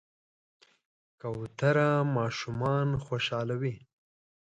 کوتره ماشومان خوشحالوي.